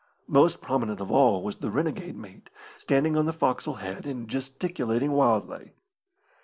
Most prominent of all was the renegade mate, standing on the foc'sle head, and gesticulating wildly.